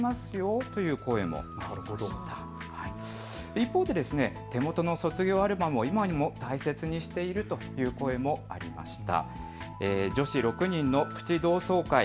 一方で手元の卒業アルバムを今でも大切にしているという声もありました。